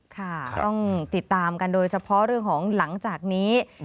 ค่ะต้องติดตามกันโดยเฉพาะเรื่องของหลังจากนี้